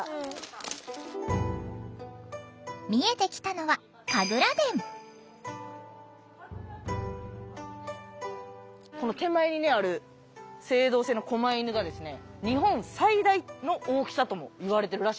見えてきたのはこの手前にある青銅製のこま犬が日本最大の大きさともいわれてるらしいんです。